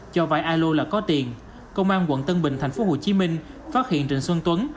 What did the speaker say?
cho vai alo là có tiền công an quận tân bình thành phố hồ chí minh phát hiện trịnh xuân tuấn